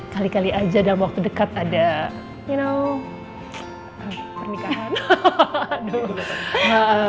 kali kali aja dalam waktu dekat ada ya nol pernikahan